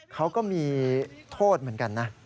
เขาก็มีโทษเหมือนกันนะ